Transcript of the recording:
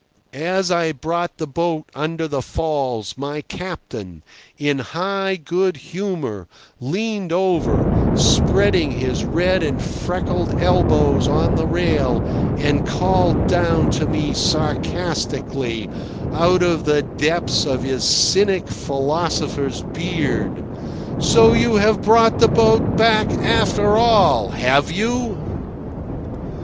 As I brought the boat under the falls my captain, in high good humour, leaned over, spreading his red and freckled elbows on the rail, and called down to me sarcastically, out of the depths of his cynic philosopher's beard: "So you have brought the boat back after all, have you?"